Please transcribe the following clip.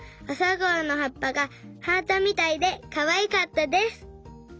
あさがおのはっぱがハートみたいでかわいかったです。